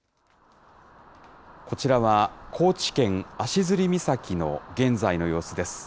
こちらは高知県足摺岬の現在の様子です。